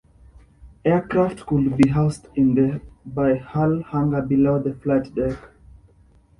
Aircraft could be housed in the by half hangar below the flight deck.